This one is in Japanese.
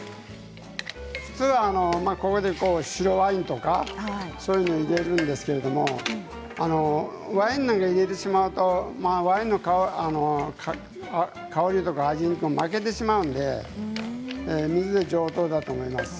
普通はここで白ワインとか入れるんですけどワインなんか入れてしまうとワインの香りや味に負けてしまうので水で上等だと思います。